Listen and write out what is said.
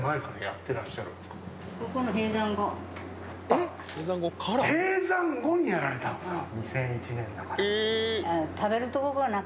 あっ閉山後にやられたんですか。